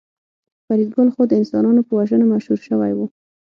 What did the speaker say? فریدګل خو د انسانانو په وژنه مشهور شوی و